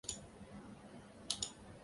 未公开